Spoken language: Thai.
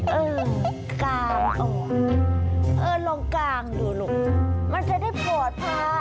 เออกลางเออลองกลางดูลูกมันจะได้ปอดผ้า